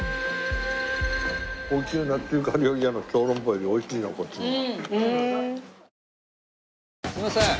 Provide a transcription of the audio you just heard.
高級な中華料理屋の小籠包よりおいしいなこっちの方が。